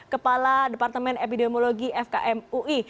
kepala departemen epidemiologi fkm ui